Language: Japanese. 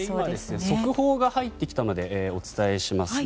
速報が入ってきたのでお伝えします。